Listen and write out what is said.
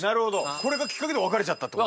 これがきっかけで別れちゃったってこと？